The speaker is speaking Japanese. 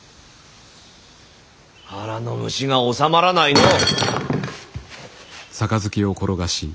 腹の虫がおさまらないのう！